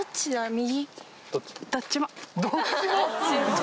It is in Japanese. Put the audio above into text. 右？